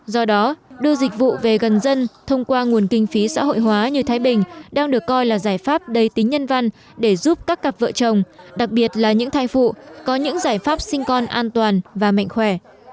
do đó đưa dịch vụ về gần dân thông qua nguồn kinh phí xã hội hóa như thái bình đang được coi là giải pháp đầy tính nhân văn để giúp các cặp vợ chồng đặc biệt là những thai phụ có những giải pháp sinh con an toàn và mạnh khỏe